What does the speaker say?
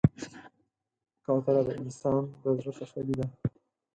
کوتره د انسان د زړه تسلي ده.